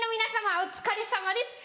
お疲れさまです！